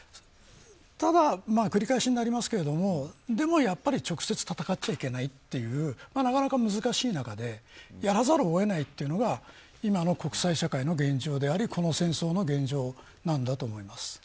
ただ繰り返しになりますけどでも、やっぱり直接戦っちゃいけないというなかなか難しい中でやらざるを得ないというのが今の国際社会の現状でありこの戦争の現状なんだと思います。